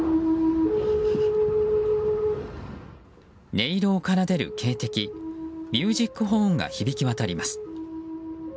音色を奏でる警笛ミュージックホーンが響き渡ります。